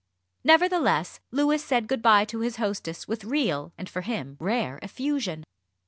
Nevertheless, Louis said good bye to his hostess with real, and, for him, rare effusion.